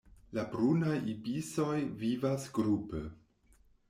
La Brunaj ibisoj vivas grupe.